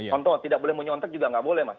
contoh tidak boleh menyontek juga nggak boleh mas